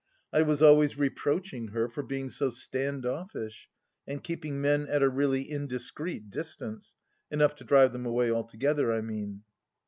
I was always reproaching her for being so standoffish and keeping men at a really indiscreet distance : enough to drive them away altogether, I mean.